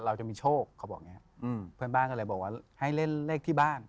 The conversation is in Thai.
เราจะมีโชคเขาบอกอย่างนี้เพื่อนบ้านก็เลยบอกว่าให้เล่นเลขที่บ้าน